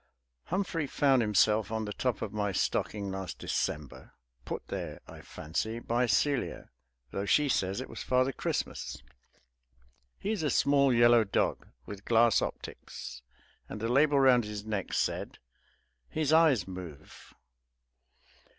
Humphrey found himself on the top of my stocking last December, put there, I fancy, by Celia, though she says it was Father Christmas. He is a small yellow dog, with glass optics, and the label round his neck said, "His eyes move."